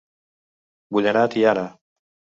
Vull anar a Tiana